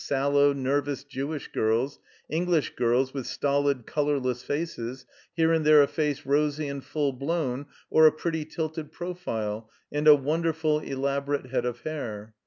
Sallow, nervous Jewish girls; English girls with stolid, colorless faces; here and there a face rosy and full blown, or a pretty tilted profile and a wonderful, elaborate head of hair.